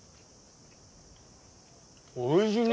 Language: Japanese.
おいしいね！